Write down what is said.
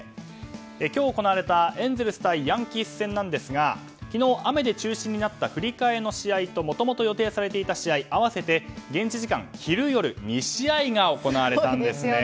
今日行われたエンゼルス対ヤンキース戦なんですが昨日雨で中止になった振り替えの試合ともともと予定されていた試合合わせて現地時間、昼夜２試合が行われたんですね。